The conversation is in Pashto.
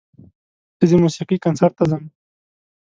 زه د موسیقۍ کنسرت ته ځم.